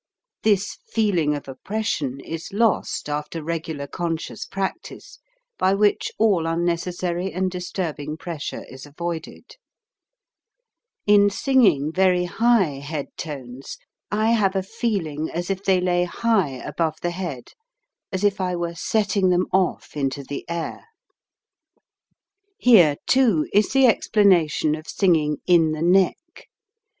This feeling of oppression is lost after regular conscious practice, by which all unnecessary and disturbing pressure is avoided. K 129 130 HOW TO SING In singing very high head tones I have a feeling as if they lay high above the head, as if I were setting them off into the air. (See plate.) Here, too, is the explanation of singing in the neck.